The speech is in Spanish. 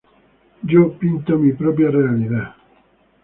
Yo pinto mi propia realidad".